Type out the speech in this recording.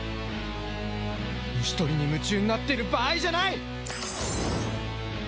虫捕りに夢中になってる場合じゃない！